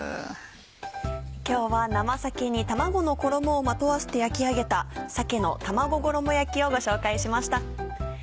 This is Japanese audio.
今日は生鮭に卵の衣をまとわせて焼き上げた「鮭の卵衣焼き」をご紹介しました。